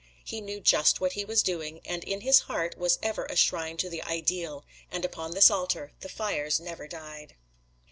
He knew just what he was doing, and in his heart was ever a shrine to the Ideal, and upon this altar the fires never died.